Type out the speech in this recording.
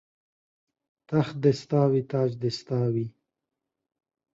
تخت دې ستا وي تاج دې ستا وي